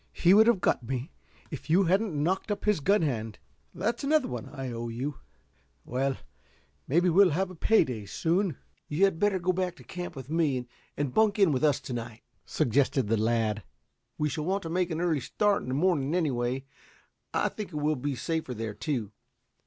"He would have got me if you hadn't knocked up his gun hand. That's another one I owe you. Well, maybe we'll have a pay day soon." "You had better go back to camp with me, and bunk in with us to night," suggested the lad, "We shall want to make an early start in the morning, anyway. I think it will be safer there, too.